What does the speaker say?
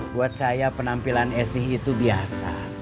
buat saya penampilan esi itu biasa